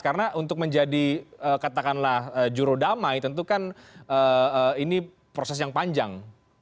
karena untuk menjadi katakanlah juru damai tentu kan ini proses yang panjang